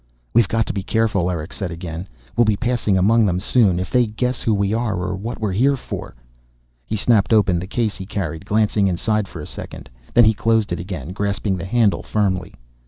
"We've got to be careful," Erick said again. "We'll be passing among them, soon. If they guess who we are, or what we're here for " He snapped open the case he carried, glancing inside for a second. Then he closed it again, grasping the handle firmly.